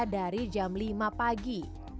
dari jam lima pagi